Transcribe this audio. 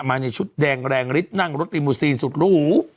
มาในชุดแดงแรงฤทธิ์นั่งรถริมูซีนสุดหรู